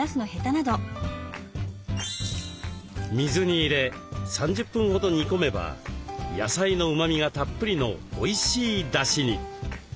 水に入れ３０分ほど煮込めば野菜のうまみがたっぷりのおいしいだしに。